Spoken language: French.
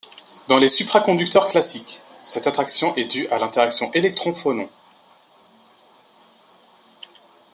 Dans les supraconducteurs classiques, cette attraction est due à l'interaction électron-phonon.